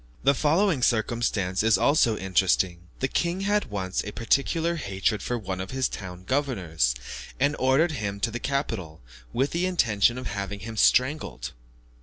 The following circumstance is also interesting; the king had once a particular hatred for one of his town governors, and ordered him to the capital, with the intention of having him strangled.